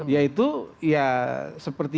yaitu ya seperti